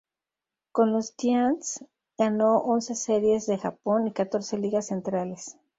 Con los Giants, ganó once Series de Japón y catorce ligas centrales.